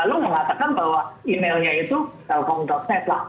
lalu mengatakan bahwa emailnya itu telpon net lah